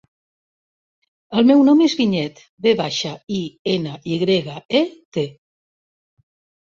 El meu nom és Vinyet: ve baixa, i, ena, i grega, e, te.